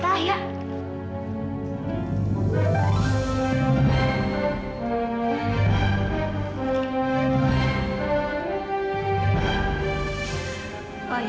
terima kasih atas infonya